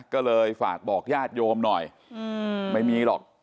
ก็เลยฝากบอกญาติโยมหน่อยไม่มีหรอก